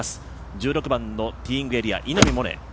１６番のティーイングエリア、稲見萌寧。